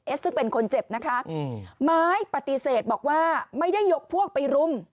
ซึ่งเป็นคนเจ็บนะคะไม้ปฏิเสธบอกว่าไม่ได้ยกพวกไปรุม